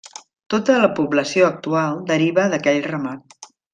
Tota la població actual deriva d'aquell ramat.